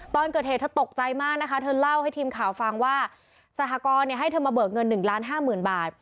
ตอนเกิดเหตุเธอตกใจมากนะคะเธอเล่าให้ทีมข่าวฟังว่าสหกรณ์ให้เธอมาเบิกเงิน๑ล้านห้าหมื่นบาท